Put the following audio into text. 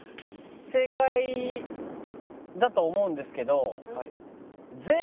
正解だと思うんですけど。